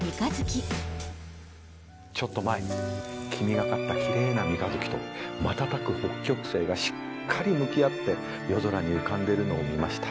ちょっと前に黄みがかった奇麗な三日月と瞬く北極星がしっかり向き合って夜空に浮かんでるのを見ました。